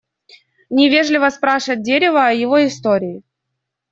Невежливо спрашивать дерево о его истории.